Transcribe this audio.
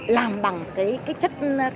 làm bằng cái chất